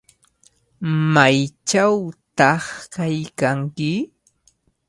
¿Maychawtaq kaykanki?